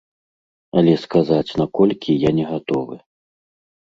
Але сказаць, на колькі, я не гатовы.